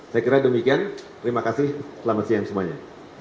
saya kira demikian terima kasih selamat siang semuanya